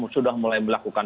sudah mulai melakukan